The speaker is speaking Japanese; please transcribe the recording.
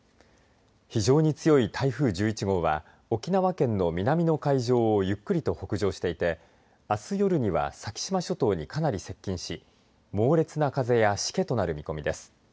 非常に強い台風１１号は沖縄県の南の海上をゆっくりと北上していてあす夜には先島諸島にかなり接近し猛烈な風やしけとなる見込みです。